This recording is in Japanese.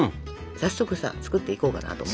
早速さ作っていこうかなと。